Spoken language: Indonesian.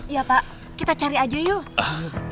iya pak kita cari aja yuk